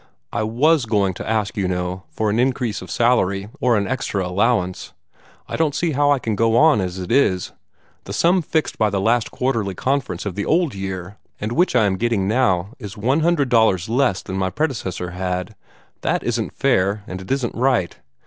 "I WAS going to ask, you know, for an increase of salary, or an extra allowance. I don't see how I can go on as it is. The sum fixed by the last Quarterly Conference of the old year, and which I am getting now, is one hundred dollars less than my predecessor had. That isn't fair, and it isn't right.